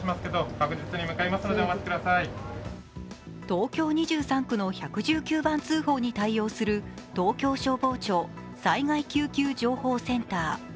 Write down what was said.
東京２３区の１１９番通報に対応する東京消防庁・災害救急情報センター